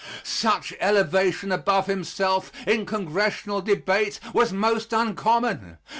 Such elevation above himself, in congressional debate, was most uncommon.